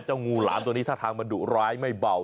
งูหลามตัวนี้ท่าทางมันดุร้ายไม่เบา